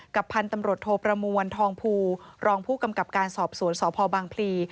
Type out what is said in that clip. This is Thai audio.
พันธุ์ตำรวจโทประมวลทองภูรองผู้กำกับการสอบสวนสพบางพลี